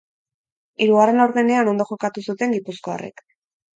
Hirugarren laurdenean ondo jokatu zuten gipuzkoarrek.